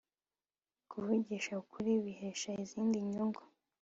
kuvugisha ukuri bihesha izindi nyungu